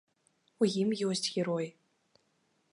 У ім ёсць героі.